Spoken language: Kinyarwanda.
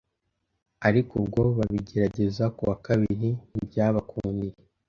Ariko ubwo babigeragezaga ku wa kabiri ntibyabakundiye.